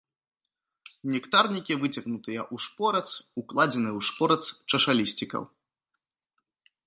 Нектарнікі выцягнутыя ў шпорац, укладзены ў шпорац чашалісцікаў.